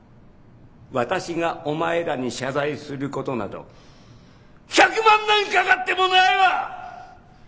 私がお前らに謝罪することなど１００万年かかってもないわ！